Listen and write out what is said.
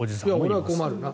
俺は困るな。